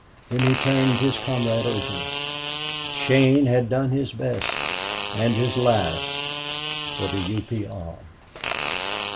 Then he turned his comrade over. Shane had done his best and his last for the U. P. R.